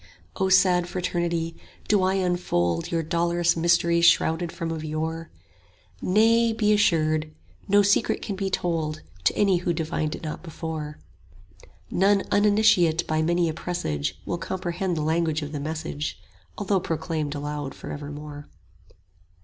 35 O sad Fraternity, do I unfold Your dolorous mysteries shrouded from of yore? Nay, be assured; no secret can be told To any who divined it not before: 40 None uninitiate by many a presage Will comprehend the language of the message, Although proclaimed aloud for evermore.